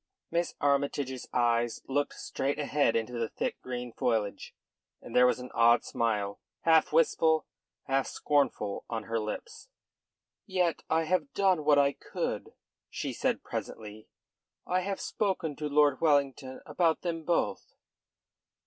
Miss Armytage's eyes looked straight ahead into the thick green foliage, and there was an odd smile, half wistful, half scornful, on her lips. "Yet I have done what I could," she said presently. "I have spoken to Lord Wellington about them both."